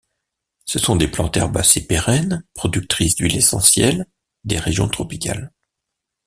Ce sont des plantes herbacées pérennes, productrices d'huiles essentielles, des régions tropicales.